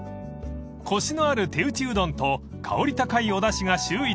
［コシのある手打ちうどんと香り高いおだしが秀逸］